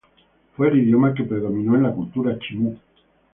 Fue el idioma que predominó en la cultura chimú.